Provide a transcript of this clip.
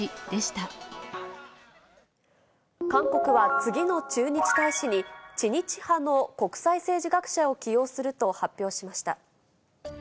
以上、韓国は次の駐日大使に、知日派の国際政治学者を起用すると発表しました。